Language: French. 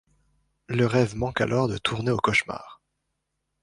Le rêve manque alors de tourner au cauchemar.